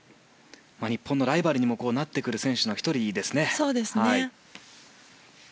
日本のライバルにもなってくる選手の１人です。